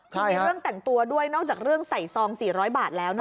มีเรื่องแต่งตัวด้วยนอกจากเรื่องใส่ซอง๔๐๐บาทแล้วนะคะ